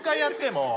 もう。